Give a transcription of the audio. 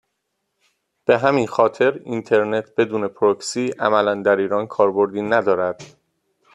به همین خاطر اینترنت بدون پروکسی عملا در ایران کاربردی ندارد.